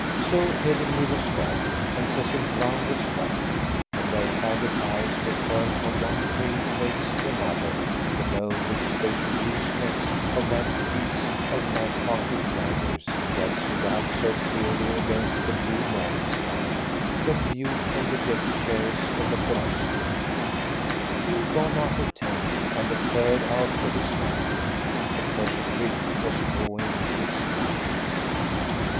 So Headingly was gone, and Cecil Brown was gone, and their haggard eyes were turned from one pale face to another, to know which they should lose next of that frieze of light hearted riders who had stood out so clearly against the blue morning sky, when viewed from the deck chairs of the Korosko. Two gone out of ten, and a third out of his mind. The pleasure trip was drawing to its climax.